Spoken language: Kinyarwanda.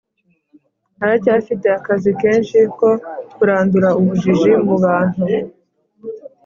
Aracyafite akazi kenshi ko kurandura ubujiji mu bantu